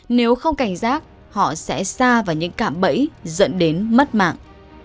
nếu không cảnh giác họ sẽ xa vào những cạm bẫy dẫn đến mất mạng